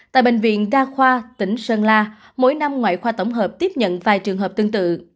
tại bệnh viện đa khoa tỉnh sơn la mỗi năm ngoại khoa tổng hợp tiếp nhận vài trường hợp tương tự